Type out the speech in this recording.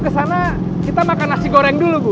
kesana kita makan nasi goreng dulu bu